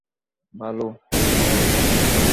ভালো, ভালো।